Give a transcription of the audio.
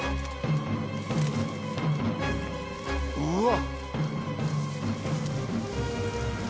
うわっ！